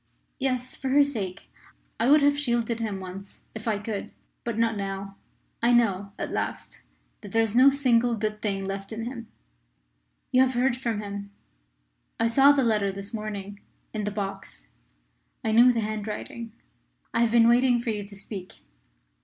"Yes; for her sake. I would have shielded him once if I could. But not now. I know, at last, that there is no single good thing left in him." "You have heard from him. I saw the letter this morning, in the box. I knew the handwriting. I have been waiting for you to speak."